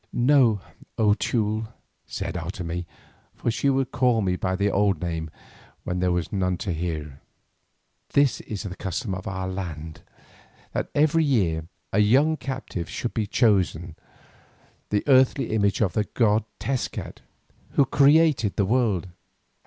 "Know, O Teule," said Otomie, for she would call me by the old name when there were none to hear; "this is the custom of our land, that every year a young captive should be chosen to be the earthly image of the god Tezcat, who created the world.